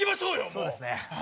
もうそうですね